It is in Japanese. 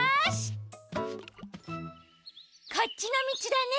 こっちのみちだね。